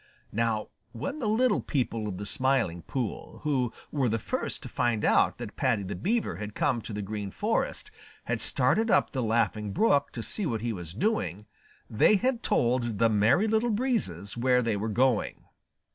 Now when the little people of the Smiling Pool, who were the first to find out that Paddy the Beaver had come to the Green Forest, had started up the Laughing Brook to see what he was doing, they had told the Merry Little Breezes where they were going.